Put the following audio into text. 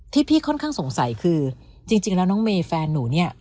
ที่พี่ค่อนข้างสงสัยคือจริงแล้วน้องเมย์แฟนหนูเนี่ย